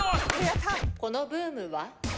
このブームは？